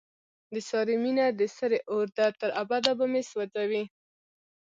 د سارې مینه د سرې اورده، تر ابده به مې سو ځوي.